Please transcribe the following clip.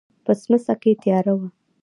په سمڅه کې تياره وه.